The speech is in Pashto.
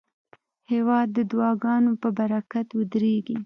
هېواد د دعاګانو په برکت ودریږي.